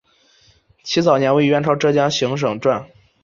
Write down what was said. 其早年为元朝浙江行省掾。